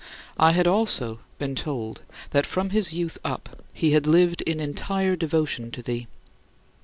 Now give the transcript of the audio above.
I had also been told that from his youth up he had lived in entire devotion to thee.